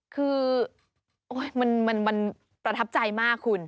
คือมันประทับใจมากคุณ